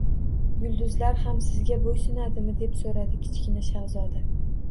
Yulduzlar ham sizga bo‘ysunadimi? — deb so‘radi Kichkina shahzoda.